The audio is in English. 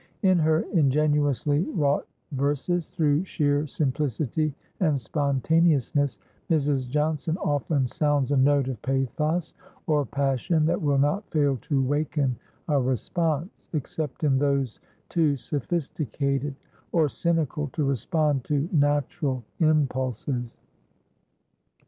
In her ingenuously wrought verses, through sheer simplicity and spontaneousness, Mrs. Johnson often sounds a note of pathos or passion that will not fail to waken a response, except in those too sophisticated or cynical to respond to natural impulses.